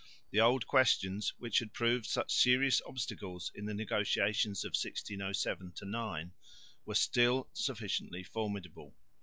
The old questions which had proved such serious obstacles in the negotiations of 1607 9 were still sufficiently formidable.